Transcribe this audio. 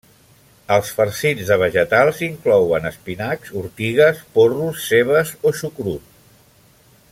Els farcits de vegetals inclouen espinacs, ortigues, porros, cebes, o xucrut.